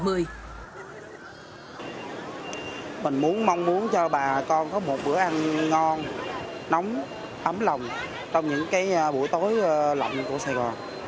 mình muốn mong muốn cho bà con có một bữa ăn ngon nóng ấm lòng trong những buổi tối lặng của sài gòn